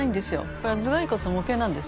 これは頭蓋骨の模型なんです。